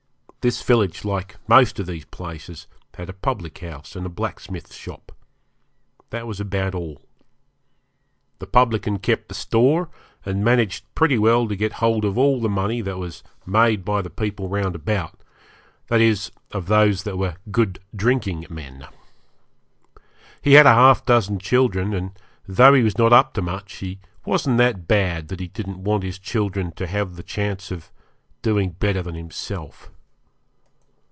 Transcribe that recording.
This village, like most of these places, had a public house and a blacksmith's shop. That was about all. The publican kept the store, and managed pretty well to get hold of all the money that was made by the people round about, that is of those that were 'good drinking men'. He had half a dozen children, and, though he was not up to much, he wasn't that bad that he didn't want his children to have the chance of being better than himself.